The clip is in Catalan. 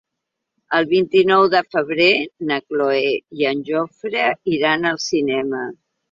El vint-i-nou de febrer na Cloè i en Jofre iran al cinema.